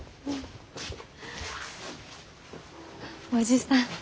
叔父さん。